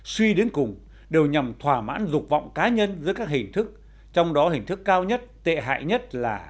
suy đến cùng đều nhằm thỏa mãn dục vọng cá nhân dưới các hình thức trong đó hình thức cao nhất tệ hại nhất là